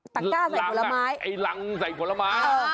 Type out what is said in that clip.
ก้าใส่ผลไม้ไอ้รังใส่ผลไม้